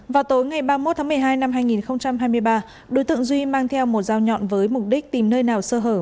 vào tối ngày ba mươi một tháng một mươi hai năm hai nghìn hai mươi ba đối tượng duy mang theo một dao nhọn với mục đích tìm nơi nào sơ hở